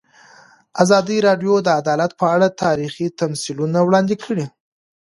ازادي راډیو د عدالت په اړه تاریخي تمثیلونه وړاندې کړي.